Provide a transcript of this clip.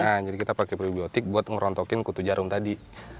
nah jadi kita pakai probiotik untuk merontokin kutu jarum tadi